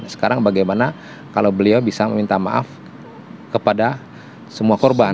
sekarang bagaimana kalau beliau bisa meminta maaf kepada semua korban